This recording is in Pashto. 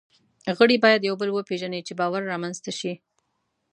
غړي باید یو بل وپېژني، چې باور رامنځ ته شي.